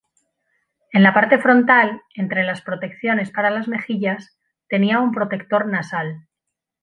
En la parte frontal, entre las protecciones para las mejillas, tenía un protector nasal.